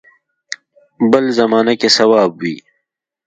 بل زمانه کې صواب وي.